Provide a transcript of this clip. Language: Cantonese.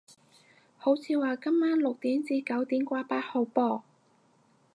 好似話今晚六點至九點掛八號波